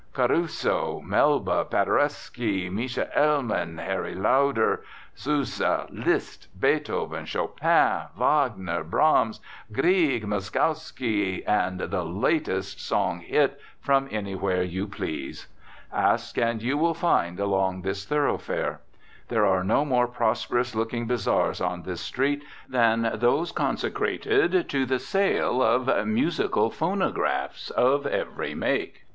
Caruso, Melba, Paderewski, Mischa Elman, Harry Lauder, Sousa, Liszt, Beethoven, Chopin, Wagner, Brahms, Grieg, Moszkowsky, the "latest song hit" from anything you please. Ask and you will find along this thoroughfare. There are no more prosperous looking bazaars on this street than those consecrated to the sale of "musical phonographs" of every make.